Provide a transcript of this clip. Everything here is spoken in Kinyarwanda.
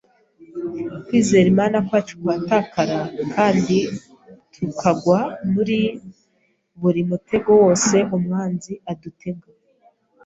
Kwizera Imana kwacu kwatakara, kandi tukagwa muri buri mutego wose umwanzi adutega.